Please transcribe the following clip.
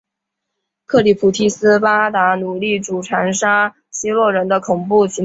克里普提指斯巴达奴隶主残杀希洛人的恐怖行动。